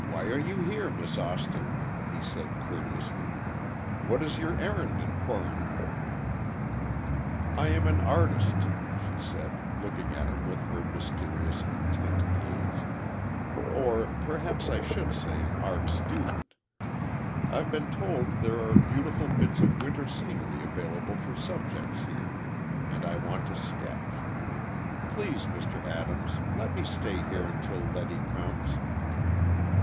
"Why are you here, Miss Austin?" he said, courteously; "what is your errand in Corinth?" "I am an artist," she said, looking at him with her mysterious intent gaze. "Or, perhaps I should say an art student. I've been told that there are beautiful bits of winter scenery available for subjects here, and I want to sketch. Please, Mr. Adams, let me stay here until Letty comes."